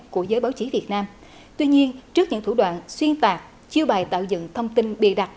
của giới báo chí việt nam tuy nhiên trước những thủ đoạn xuyên tạc chiêu bài tạo dựng thông tin bịa đặt